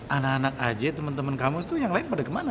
anak anak aja teman teman kamu itu yang lain pada kemana